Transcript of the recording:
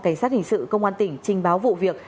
cảnh sát hình sự công an tỉnh trình báo vụ việc